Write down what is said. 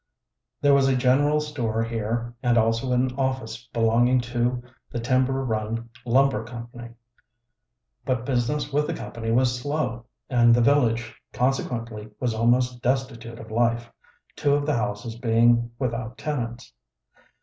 There was a general store here and also an office belonging to the Timber Run Lumber Company. But business with the company was slow, and the village, consequently, was almost destitute of life, two of the houses being without tenants.